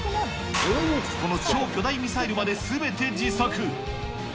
この超巨大ミサイル迄すべて自作。